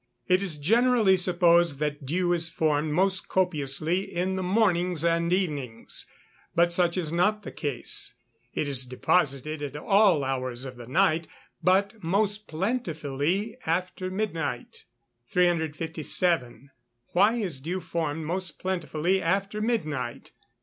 _ It is generally supposed that dew is formed most copiously in the mornings and evenings. But such is not the case. It is deposited at all hours of the night, but most plentifully after midnight. 357. _Why is dew formed most plentifully after midnight?